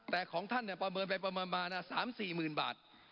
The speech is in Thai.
แต่ของท่านเนี่ยประเมินไปประมาณ๓๔หมื่นบาท